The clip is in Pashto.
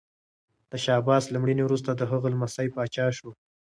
د شاه عباس له مړینې وروسته د هغه لمسی پاچا شو.